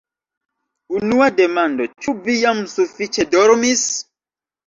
Unua demando, ĉu vi jam sufiĉe dormis?